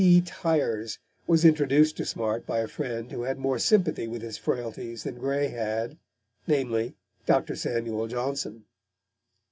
Tyers was introduced to Smart by a friend who had more sympathy with his frailties than Gray had, namely, Dr. Samuel Johnson.